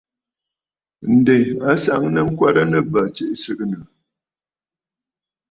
Ǹdè a nsaŋnə ŋkwɛrə nɨ̂ bə̂ tsiʼì sɨgɨ̀nə̀.